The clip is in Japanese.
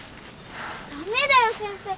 ダメだよ先生。